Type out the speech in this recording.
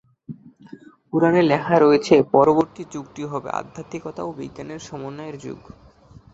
পুরাণে লেখা রয়েছে পরবর্তী যুগটি হবে আধ্যাত্মিকতা ও বিজ্ঞানের সমন্বয়ের যুগ।